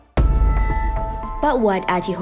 tapi apa yang aci harapkan tidak terjadi